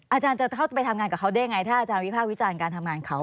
อาจารย์จะเข้าไปทำงานกับเขาได้ยังไงถ้าอาจารย์วิภาควิจารณ์การทำงานเขา